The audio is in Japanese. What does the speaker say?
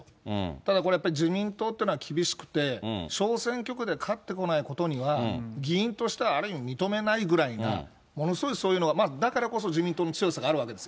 ただ、これ、やっぱ自民党というのは厳しくて、小選挙区で勝ってこないことには、議員としてはある意味、認めないぐらいな、ものすごいそういうのが、だからこそ自民党の強さがあるわけです。